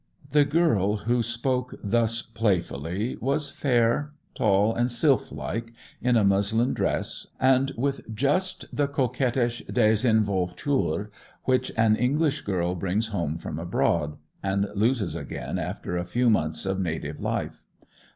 The girl who spoke thus playfully was fair, tall, and sylph like, in a muslin dress, and with just the coquettish désinvolture which an English girl brings home from abroad, and loses again after a few months of native life.